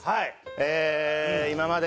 えー今まで